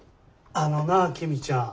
あのなあ公ちゃん。